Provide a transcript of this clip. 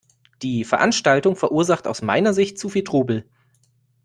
Die Veranstaltung verursacht aus meiner Sicht zu viel Trubel.